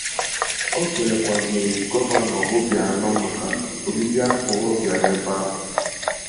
O kelekwazịrị Gọvanọ Obianọ maka ọbịbịa ahụ ọ bịara ebe ahụ